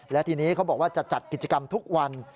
และทีนี้เขาบอกว่าจะจัดกิจกรรมทุกวัน